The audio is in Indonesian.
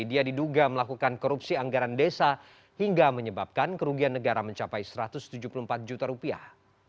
dia diduga melakukan korupsi anggaran desa hingga menyebabkan kerugian negara mencapai satu ratus tujuh puluh empat juta rupiah